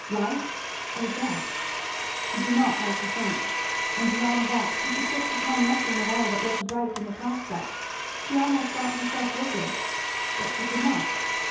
life or death? she did not like to think; and beyond that she could fix upon nothing at all that looked bright in the prospect; she almost thought herself wicked, but she could not.